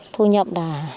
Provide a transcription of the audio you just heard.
thu nhập đà